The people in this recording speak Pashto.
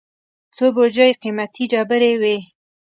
څو بوجۍ قېمتي ډبرې وې.